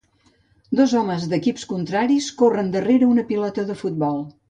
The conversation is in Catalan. Dos homes d'equips contraris corren darrere una pilota de futbol.